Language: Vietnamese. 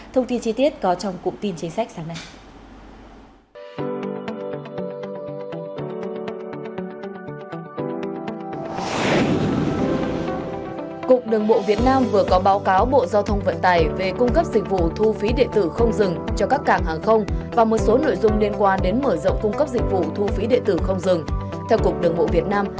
thông tin chi tiết có trong cụ tin chính sách sáng nay